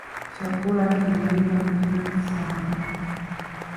Chakula kimeiva vizuri sana